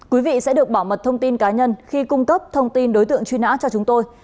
quý vị sẽ được bảo mật thông tin cá nhân khi cung cấp thông tin đối tượng truy nã cho chúng tôi